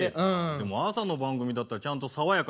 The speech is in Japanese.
でも朝の番組だったらちゃんと爽やかにお送りしないと。